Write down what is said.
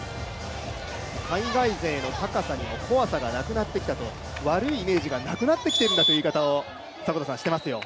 海外勢の高さにも怖さがなくなってきたと、悪いイメージがなくなってきてるんだという言い方をしてますよ。